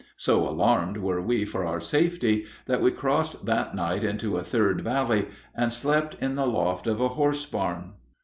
So alarmed were we for our safety that we crossed that night into a third valley and slept in the loft of a horse barn.